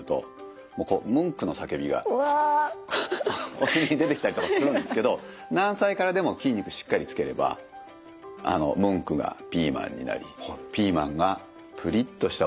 お尻に出てきたりとかするんですけど何歳からでも筋肉しっかりつければあのムンクがピーマンになりピーマンがプリっとしたお尻になり。